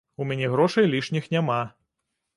У мяне грошай лішніх няма.